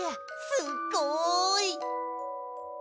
すっごい！